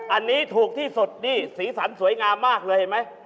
อันนี้ถูกที่สุดนี่สีสันสวยงามมากเลยเห็นไหม